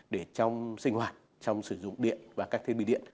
để trong sinh hoạt trong sử dụng điện và các thiết bị điện